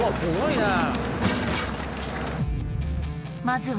すごいなあ。